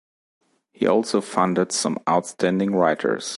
He also funded some outstanding writers.